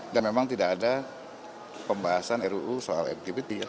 dan memang tidak ada pembahasan ruu soal lgbt